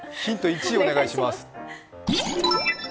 １お願いします。